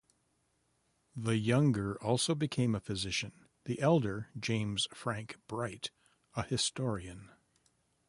The younger also became a physician; the elder, James Franck Bright, a historian.